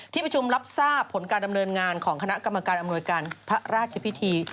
ที่ประชุมรับทราบผลการดำเนินงานของคณะกรรมการอำนวยการพระราชพิธี